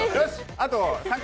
あと３回！